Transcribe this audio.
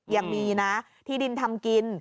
ยังมีนะที่ดินทำกิน